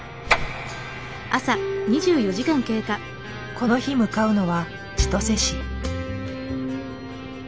この日向かうのは千歳市。